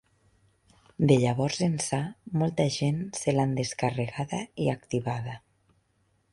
De llavors ençà, molta gent se l’han descarregada i activada.